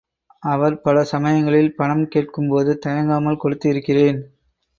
அவர், பல சமயங்களில் பணம் கேட்கும்போது தயங்காமல் கொடுத்து இருக்கிறேன்.